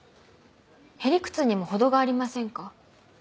ヘリクツにも程がありませんか。